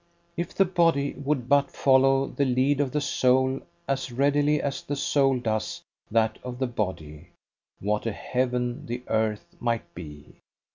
If the body would but follow the lead of the soul as readily as the soul does that of the body, what a heaven the earth might be!